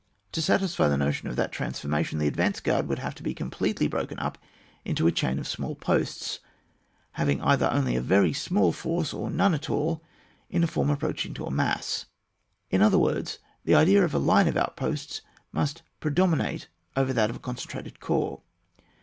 To satisfy the notion of that transforma tion, the advanced guard would have to be completely broken up into a chain of small posts, having either only a very small K>rce, or none at all in a form ap» proaching to a mass. In other words, the idea of a line of outposts must predomi nate over that of a concentrated corps.